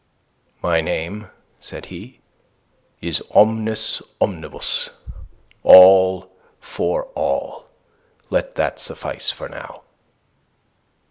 "My name," said he, "is Omnes Omnibus all for all. Let that suffice you now.